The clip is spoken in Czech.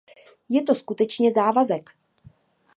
Je to skutečně závazek.